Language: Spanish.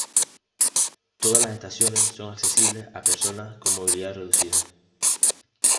Todas las estaciones son accesibles a personas con movilidad reducida.